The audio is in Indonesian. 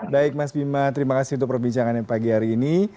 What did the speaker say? baik mas bima terima kasih untuk perbincangannya pagi hari ini